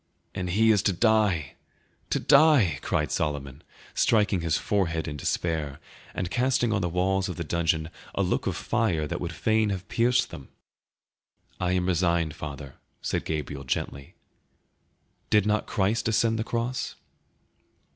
"And he is to die, to die!" cried Solomon, striking his forehead in despair, and casting on the walls of the dungeon a look of fire that would fain have pierced them. "I am resigned, father," said Gabriel gently; did not Christ ascend the cross?"